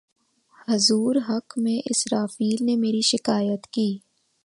حضور حق میں اسرافیل نے میری شکایت کی